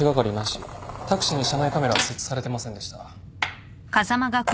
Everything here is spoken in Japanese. タクシーに車内カメラは設置されてませんでした。